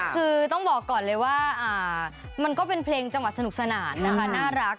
คือต้องบอกก่อนเลยว่ามันก็เป็นเพลงจังหวัดสนุกสนานนะคะน่ารัก